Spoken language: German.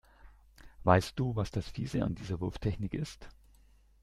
Weißt du, was das Fiese an dieser Wurftechnik ist?